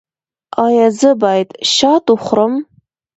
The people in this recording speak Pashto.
ایا زه باید شات وخورم؟